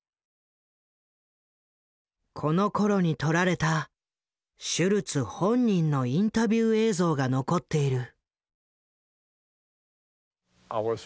このころに撮られたシュルツ本人のインタビュー映像が残っている。